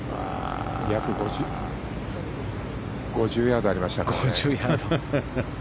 約５０ヤードありましたからね。